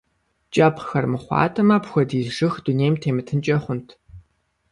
КIэпхъхэр мыхъуатэмэ, апхуэдиз жыг дунейм темытынкIэ хъунт.